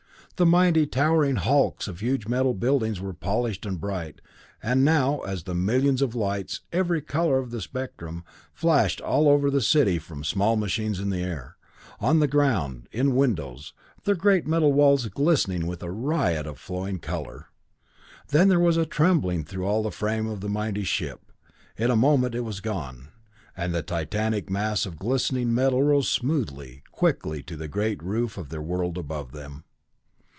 The mighty towering bulks of the huge metal buildings were polished and bright, and now, as the millions of lights, every color of the spectrum, flashed over all the city from small machines in the air, on the ground, in windows, their great metal walls glistening with a riot of flowing color. Then there was a trembling through all the frame of the mighty ship. In a moment it was gone, and the titanic mass of glistening metal rose smoothly, quickly to the great roof of their world above them.